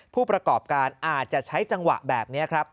ผู้ประกอบการอาจจะใช้จังหวะแบบนี้ครับ